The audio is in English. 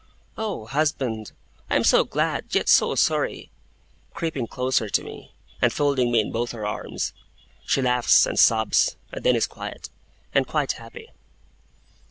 'Oh, husband! I am so glad, yet so sorry!' creeping closer to me, and folding me in both her arms. She laughs and sobs, and then is quiet, and quite happy.